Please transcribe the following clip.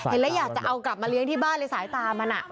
แล้วอยากจะเอากลับมาเลี้ยงที่บ้านเลยสายตามัน